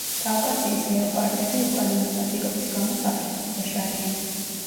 კავკასიის ლეოპარდები უკანონო ნადირობის გამო საფრთხის ქვეშ არიან.